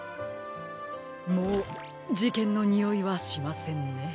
もうじけんのにおいはしませんね。